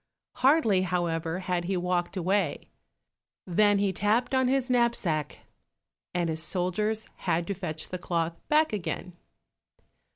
Hardly, however, had he walked away than he tapped on his knapsack, and his soldiers had to fetch the cloth back again.